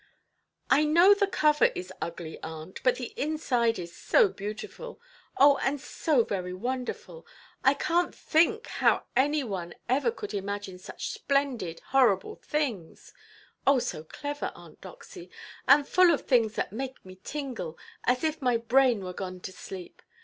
"I know the cover is ugly, aunt, but the inside is so beautiful. Oh, and so very wonderful! I canʼt think how any one ever could imagine such splendid horrible things. Oh, so clever, Aunt Doxy; and full of things that make me tingle, as if my brain were gone to sleep.